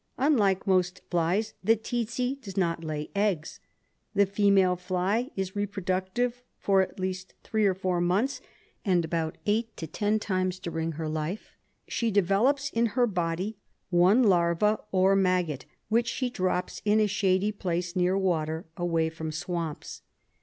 Unlike most flies, the tsetse does not lay eggs. The female fly is repro ductive for at least three or four months, and about eight to ten times during her life she develops in her body one larva or maggot, which she drops in a shady place near water, away from swamps.